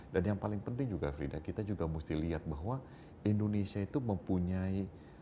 dan yang paling penting juga frida kita juga mesti lihat bahwa indonesia itu mempunyai